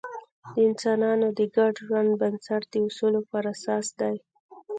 د انسانانو د ګډ ژوند بنسټ د اصولو پر اساس دی.